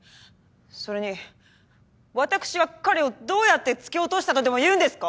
それに私は彼をどうやって突き落としたとでもいうんですか？